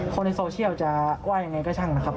คนในโซเชียลจะว่ายังไงก็ช่างนะครับ